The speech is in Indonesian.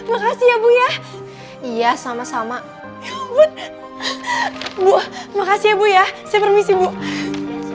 makasih ya bu ya iya sama sama bu makasih ya bu ya saya permisi bu